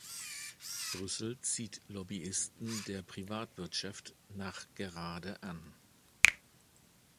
Brüssel zieht Lobbyisten der Privatwirtschaft nachgerade an.